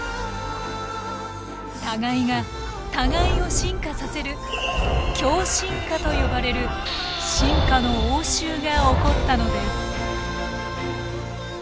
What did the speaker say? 互いが互いを進化させる共進化と呼ばれる進化の応酬が起こったのです。